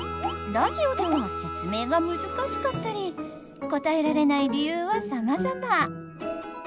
ラジオでは説明が難しかったり答えられない理由はさまざま。